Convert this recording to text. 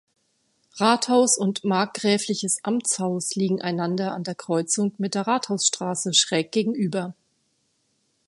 Rathaus und Markgräfliches Amtshaus liegen einander an der Kreuzung mit der Rathausstraße schräg gegenüber.